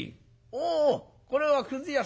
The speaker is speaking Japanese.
「おおこれはくず屋さん。